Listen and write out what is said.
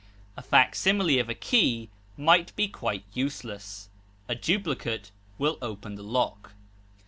A facsimile of a key might be quite useless; a duplicate will open the lock.